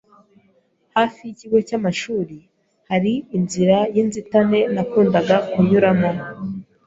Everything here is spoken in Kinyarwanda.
hafi y’ikigo cy’amashuri hari inzira y’inzitane nakundaga kunyuramo